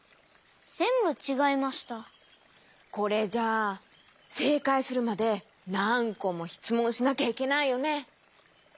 これじゃあせいかいするまでなんこもしつもんしなきゃいけないよね。